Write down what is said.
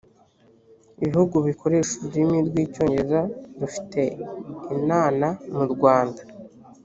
ibihugu bikoresha ururimi rwi cyongereza rufite inana mu rwanda